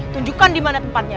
tunjukkan dimana tempatnya